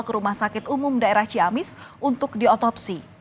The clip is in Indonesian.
ke rumah sakit umum daerah ciamis untuk diotopsi